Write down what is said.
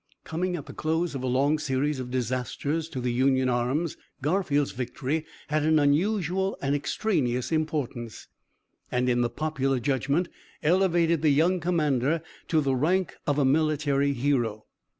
Coming at the close of a long series of disasters to the Union arms, Garfield's victory had an unusual and extraneous importance, and in the popular judgment elevated the young commander to the rank of a military hero.